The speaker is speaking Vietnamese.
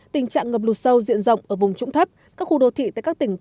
tình trạng ngập lụt sâu diện rộng ở vùng trũng thấp các khu đô thị tại các tỉnh